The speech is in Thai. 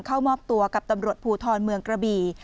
เข้ามอบตัวกับตำรวจภูทรเมืองกระบี่